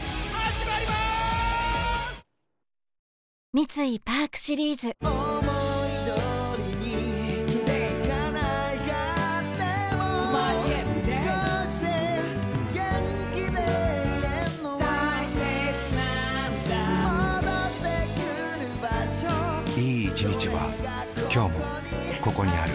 三井パークシリーズいい一日はきょうもここにある